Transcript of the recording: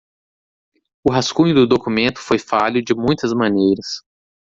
O rascunho do documento foi falho de muitas maneiras.